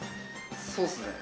そうですね。